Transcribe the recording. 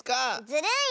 ずるい！